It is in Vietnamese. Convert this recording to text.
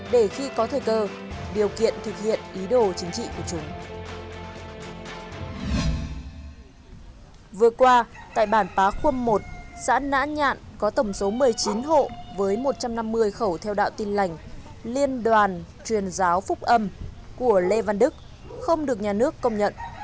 để khi có thời cơ điều kiện thực hiện ý đồ chính trị của chúng